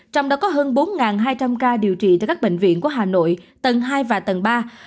trong đó có hơn bốn hai trăm linh ca điều trị tại các bệnh viện của hà nội tầng hai và tầng ba